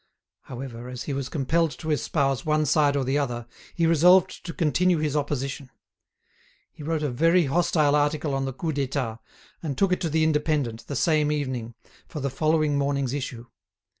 However, as he was compelled to espouse one side or the other, he resolved to continue his opposition. He wrote a very hostile article on the Coup d'État, and took it to the "Indépendant" the same evening for the following morning's issue.